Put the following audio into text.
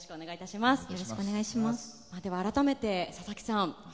改めて、佐々木さん